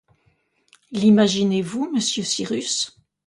L’imaginez-vous, monsieur Cyrus